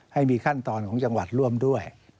ให้มีขั้นตอนของจังหวัดร่วมด้วย